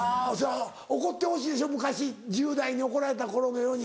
怒ってほしいでしょ昔１０代に怒られた頃のように。